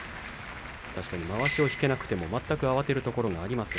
確かにまわしを引けなくても慌てるところはありません。